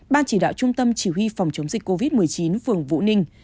ban chỉ đạo trung tâm chỉ huy phòng chống dịch covid một mươi chín phường vũ ninh